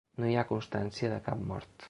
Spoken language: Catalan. No hi ha constància de cap mort.